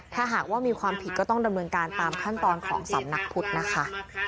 ถ้าหากว่ามีความผิดก็ต้องดำเนินการตามขั้นตอนของสำนักพุทธนะคะ